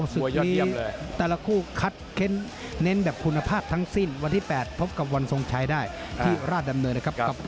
สึกมีแผนแบบทั้งสิ้นวันที่๘พบกับวันสงชายได้ที่ราชดำเนินด้วยครับ